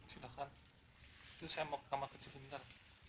silahkan itu saya mau ke kamar kecil sebentar